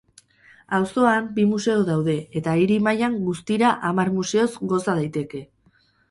Auzoan, bi museo daude eta hiri mailan, guztira hamar museoz goza daiteke.